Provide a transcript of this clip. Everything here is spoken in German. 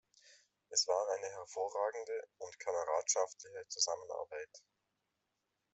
Es war eine hervorragende und kameradschaftliche Zusammenarbeit.